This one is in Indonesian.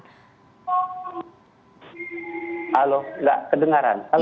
halo tidak kedengaran